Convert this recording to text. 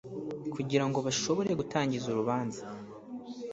kugira ngo bashobore gutangiza urubanza.